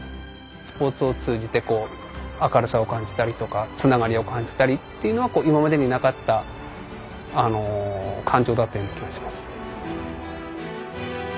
スポーツを通じて明るさを感じたりとかつながりを感じたりっていうのは今までになかった感情だったような気がします。